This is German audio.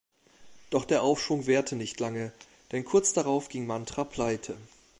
Doch der Aufschwung währte nicht lange, denn kurz darauf ging "Mantra" pleite.